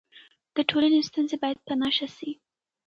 د ټولنې ستونزې باید په نښه سي.